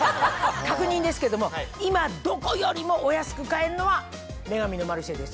確認ですけども今どこよりもお安く買えるのは『女神のマルシェ』ですよね？